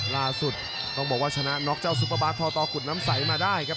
ล่าสุดต้องบอกว่าชนะน็อกเจ้าซุปเปอร์บาสทอตกุฎน้ำใสมาได้ครับ